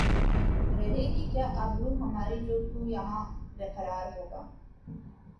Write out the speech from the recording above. رہے گی کیا آبرو ہماری جو تو یہاں بے قرار ہوگا